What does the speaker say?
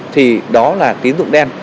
thì đó là tiến dụng đen